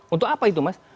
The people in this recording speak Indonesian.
untuk apa itu mas